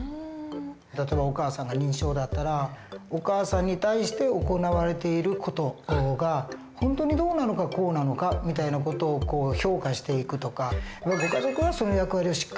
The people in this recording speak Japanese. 例えばお母さんが認知症だったらお母さんに対して行われている事が本当にどうなのかこうなのかみたいな事を評価していくとかご家族がその役割をしっかり果たしていくって